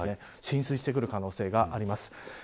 浸水してくる可能性があります。